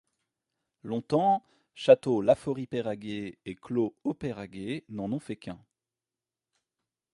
Longtemps, Château Lafaurie-Peyraguey et Clos Haut-Peyraguey n'en ont fait qu'un.